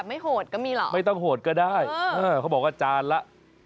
โหดก็มีเหรอไม่ต้องโหดก็ได้เขาบอกว่าจานละ